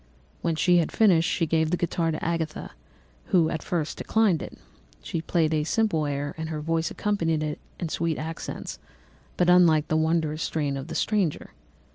"When she had finished, she gave the guitar to Agatha, who at first declined it. She played a simple air, and her voice accompanied it in sweet accents, but unlike the wondrous strain of the stranger.